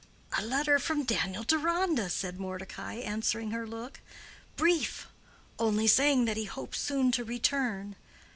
"A letter from Daniel Deronda," said Mordecai, answering her look. "Brief—only saying that he hopes soon to return.